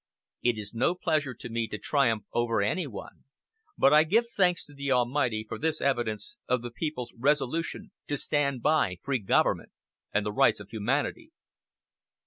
It is no pleasure to me to triumph over anyone, but I give thanks to the Almighty for this evidence of the people's resolution to stand by free government and the rights of humanity."